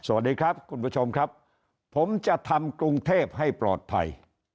สวัสดีครับคุณผู้ชมครับผมจะทำกรุงเทพให้ปลอดภัย